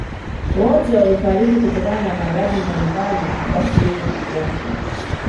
Wote walifariki kutokana na maradhi mbalimbali na kubaki yeye peke yake